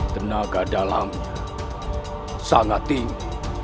tenaga dalamnya sangat tinggi